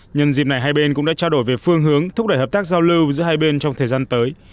nhân dịp này hai bên cũng đã trao đổi về phương hướng thúc đẩy hợp tác giao lưu giữa hai bên trong thời gian tới